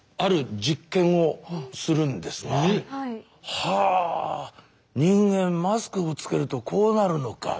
はぁ人間マスクをつけるとこうなるのか。